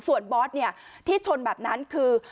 ส่วนบอสที่ชนแบบนั้นคือ